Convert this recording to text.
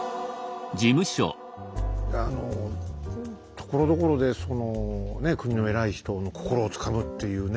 ところどころで国の偉い人の心をつかむっていうね。